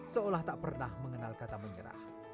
seolah tak pernah mengenal kata menyerah